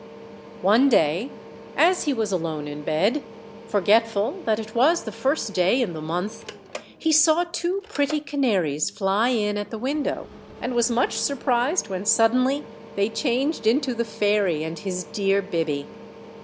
105 One day, as he was alone in bed, forgetful that it was the first day in the month, lie saw two pretty canaries fly in at the window, and was much surprised when sud denly they changed into the fairy and his dear Biby.